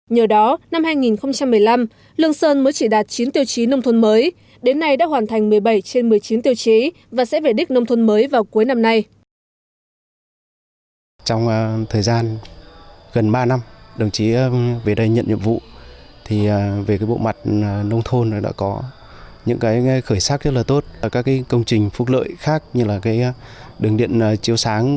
nhờ đó năm hai nghìn một mươi năm lương sơn mới chỉ đạt chín tiêu chí nông thuận mới đến nay đã hoàn thành một mươi bảy trên một mươi chín tiêu chí và sẽ vệ đích nông thuận mới vào cuối năm nay